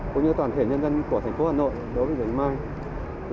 cũng như toàn thể nhân dân của thành phố hà nội đối với bệnh viện bạch mai